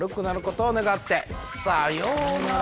さようなら。